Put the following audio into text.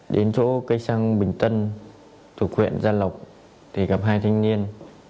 đến chỗ cây xăng bình tân thủ quyện gia lộc thì gặp hai thanh niên